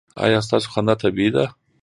ایا ستاسو خندا طبیعي ده؟